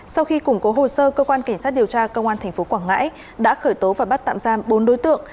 sau khi củng cố hồ sơ cơ quan cảnh sát điều tra công an tp quảng ngãi đã khởi tố và bắt tạm giam bốn đối tượng